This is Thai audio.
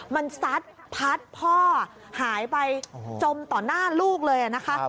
มันซัดพัดพ่อหายไปจมต่อหน้าลูกเลยนะคะ